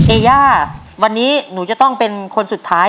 เอากลับไปหรือยไปเลย